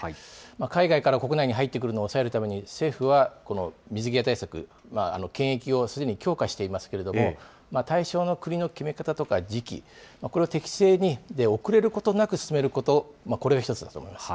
海外から国内に入ってくるのを抑えるために政府は、水際対策、検疫をすでに強化していますけれども、対象の国の決め方とか時期、これを適正に、遅れることなく進めること、これが１つだと思います。